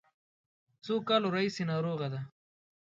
څو کالو راهیسې ناروغه دی.